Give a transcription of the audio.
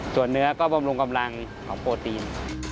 ส่วนเนื้อก็บำรุงกำลังของโปรตีน